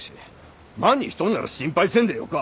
万にひとっなら心配せんでよか。